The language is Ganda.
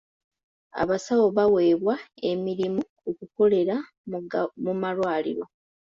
Abasawo baweebwa emirimu okukolera mu malwaliro.